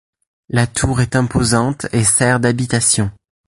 La tour est imposante et sert d'habitation.